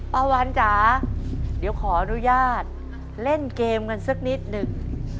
วันจ๋าเดี๋ยวขออนุญาตเล่นเกมกันสักนิดหนึ่ง